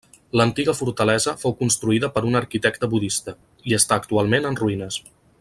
L'antiga fortalesa fou construïda per un arquitecte budista, i està actualment en ruïnes.